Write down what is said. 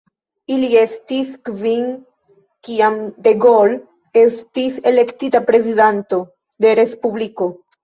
Ili estis kvin kiam de Gaulle estis elektita prezidanto de Respubliko.